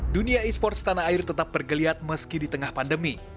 dunia esports tanah air tetap bergeliat meski di tengah pandemi